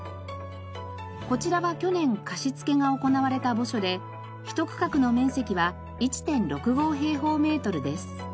こちらは去年貸し付けが行われた墓所で一区画の面積は１．６５平方メートルです。